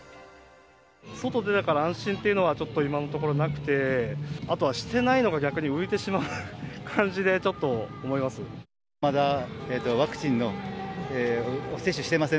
外出たから安心というのは、ちょっと今のところなくて、あとはしてないのが、逆に浮いてしまう感じで、ちょっと思います。